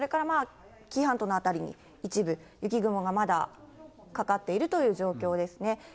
まあ紀伊半島の辺りに一部、雪雲がまだかかっているという状況ですね。